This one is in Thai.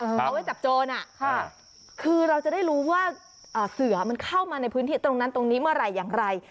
เอาไว้จับโจรคือเราจะได้รู้ว่าเสือมันเข้ามาในพื้นที่ตรงนั้นตรงนี้เมื่อไหร่อย่างไร